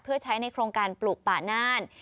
เพื่อใช้ในโครงการปลูกป่าน่าน